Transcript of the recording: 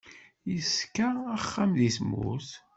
Yeṣka axxam deg tmurt.